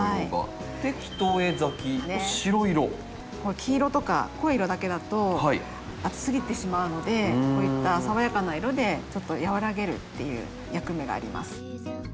黄色とか濃い色だけだと暑すぎてしまうのでこういった爽やかな色でちょっと和らげるっていう役目があります。